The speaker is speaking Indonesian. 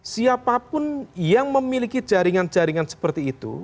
siapapun yang memiliki jaringan jaringan seperti itu